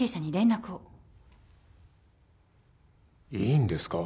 いいんですか？